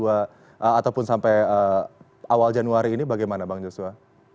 ataupun sampai awal januari ini bagaimana bang joshua